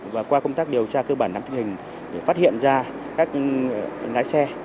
và qua công tác điều tra cơ bản nắm tình hình để phát hiện ra các lái xe